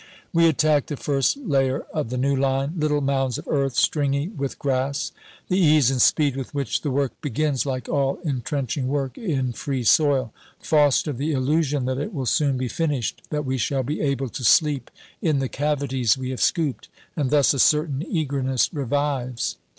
We attack the first layer of the new line little mounds of earth, stringy with grass. The ease and speed with which the work begins like all entrenching work in free soil foster the illusion that it will soon be finished, that we shall be able to sleep in the cavities we have scooped: and thus a certain eagerness revives.